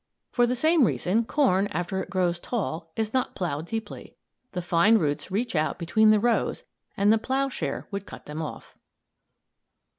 For the same reason, corn, after it grows tall, is not ploughed deeply. The fine roots reach out between the rows and the ploughshare would cut them off.